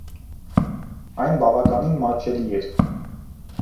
Այն բավականին մատչելի էր։